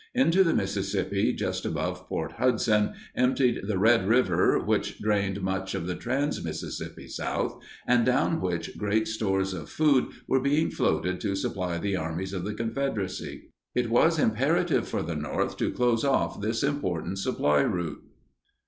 Into the Mississippi, just above Port Hudson, emptied the Red River which drained much of the trans Mississippi South, and down which great stores of food were being floated to supply the armies of the Confederacy. It was imperative for the North to close off this important supply route.